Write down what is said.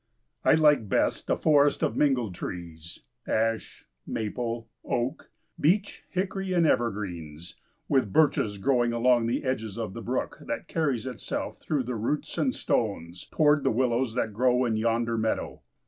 I like best a forest of mingled trees, ash, maple, oak, beech, hickory, and evergreens, with birches growing along the edges of the brook that carries itself through the roots and stones, toward the willows that grow in yonder meadow.